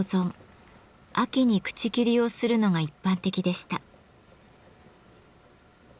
秋に口切をするのが一般的でした。